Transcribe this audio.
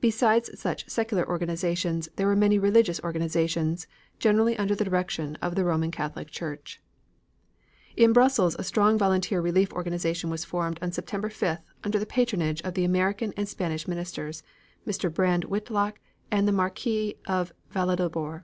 Besides such secular organizations, there were many religious organizations, generally under the direction of the Roman Catholic Church. In Brussels a strong volunteer relief organization was formed on September 5th under the patronage of the American and Spanish Ministers, Mr. Brand Whitlock and the Marquis of Villalobar.